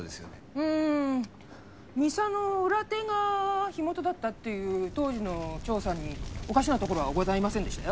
うーん店の裏手が火元だったっていう当時の調査におかしなところはございませんでしたよ